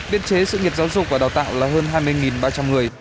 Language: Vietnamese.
biên chế sự nghiệp giáo dục và đào tạo là hơn hai mươi ba trăm linh người